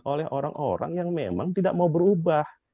oleh orang orang yang memang tidak mau berubah